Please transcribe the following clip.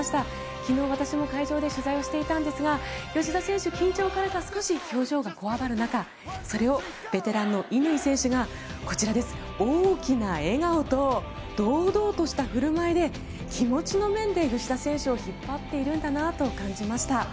昨日、私も会場で取材していたんですが吉田選手、緊張からか少し表情がこわばる中それをベテランの乾選手がこちら大きな笑顔と堂々とした振る舞いで気持ちの面で吉田選手を引っ張っているんだなと感じました。